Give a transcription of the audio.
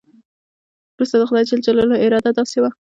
وروسته د خدای جل جلاله اراده داسې وه.